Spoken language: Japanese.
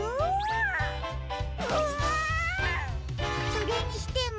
それにしても。